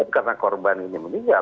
karena korban ini meninggal